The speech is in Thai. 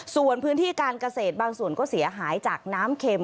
ส่วนพื้นที่การเกษตรบางส่วนก็เสียหายจากน้ำเข็ม